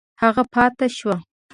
هغه پاته شو.